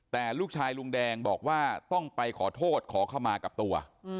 แต่ลูกชายลุงแดงบอกว่าต้องไปขอโทษขอเข้ามากับตัว